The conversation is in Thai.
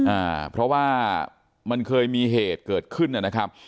อ่าเพราะว่ามันเคยมีเหตุเกิดขึ้นนะครับ